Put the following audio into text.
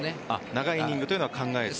長いイニングというのは考えず？